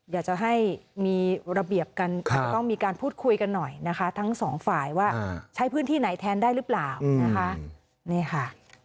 อยากจะให้มีระเบียบกันอาจจะต้องมีการพูดคุยกันหน่อยนะคะทั้งสองฝ่ายว่าใช้พื้นที่ไหนแทนได้หรือเปล่านะคะนี่ค่ะ